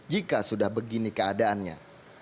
jika sudah begini keadaannya